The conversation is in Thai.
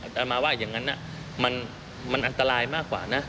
จะมาว่าอย่างนั้นมันอันตรายมากกว่านะ